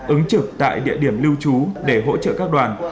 ứng trực tại địa điểm lưu trú để hỗ trợ các đoàn